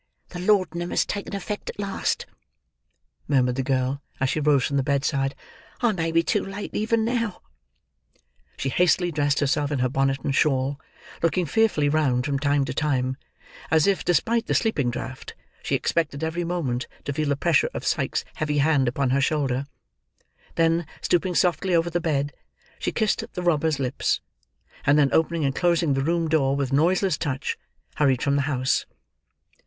"The laudanum has taken effect at last," murmured the girl, as she rose from the bedside. "I may be too late, even now." She hastily dressed herself in her bonnet and shawl: looking fearfully round, from time to time, as if, despite the sleeping draught, she expected every moment to feel the pressure of Sikes's heavy hand upon her shoulder; then, stooping softly over the bed, she kissed the robber's lips; and then opening and closing the room door with noiseless touch, hurried from the house.